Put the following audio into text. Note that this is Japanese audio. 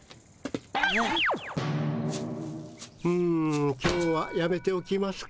うん今日はやめておきますか。